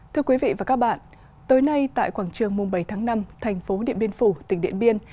thưa quý vị và các bạn tối nay tại quảng trường mùng bảy tháng năm thành phố điện biên phủ tỉnh điện biên